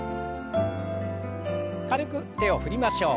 軽く手を振りましょう。